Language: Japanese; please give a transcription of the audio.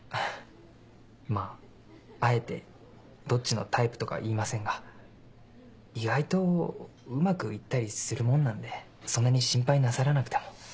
まぁあえてどっちのタイプとか言いませんが意外とうまく行ったりするもんなんでそんなに心配なさらなくても。